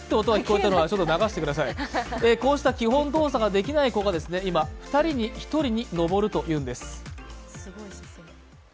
こうした基本の動きができない子が今、２人に１人に上るというのです。